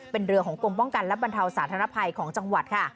เป็นเรือของกรมป้องกันและบรรเทาสาธารณภัยของจังหวัดค่ะ